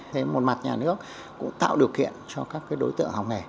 thế một mặt nhà nước cũng tạo điều kiện cho các đối tượng học nghề